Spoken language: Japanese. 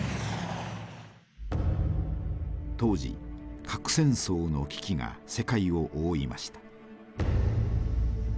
当時核戦争の危機が世界を覆いました。